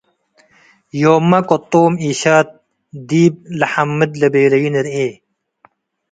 ዮም’ማ ቅጡም ኤሻት ዲብ ለሐምድ ለቤለዩ ንርኤ።